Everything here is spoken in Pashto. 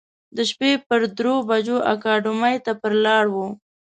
د شپې پر درو بجو اکاډمۍ ته پر لار و.